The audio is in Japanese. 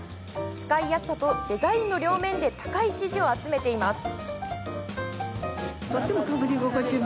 使いやすさとデザインの両面で高い支持を集めています。